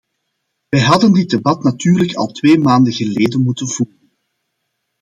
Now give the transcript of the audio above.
Wij hadden dit debat natuurlijk al twee maanden geleden moeten voeren.